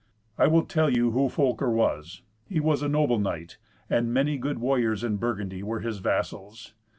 I will tell you who Folker was. He was a noble knight, and many good warriors in Burgundy were his vassals.